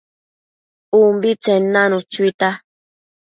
ubitsen nanu chuita